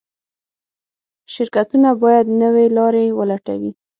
شرکتونه باید نوې لارې ولټوي.